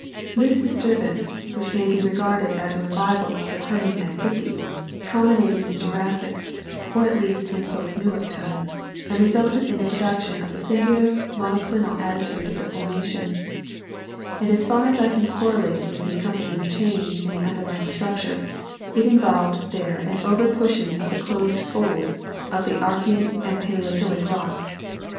This disturbance, which may be regarded as a revival of the Permian activity, culminated in Jurassic, or at least in post Newark time, and resulted in the production of the singular monoclinal attitude of the formation ; and as far as I can cor relate it with the accompanying change in the underlying struc tures, it involved there an over pushing of the closed folds of the Archean and Paleozoic rocks.